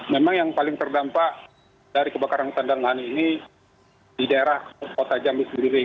memang yang paling terdampak dari kebakaran hutan dan lahan ini di daerah kota jambi sendiri